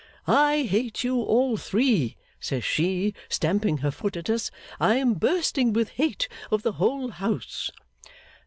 "I hate you all three," says she, stamping her foot at us. "I am bursting with hate of the whole house."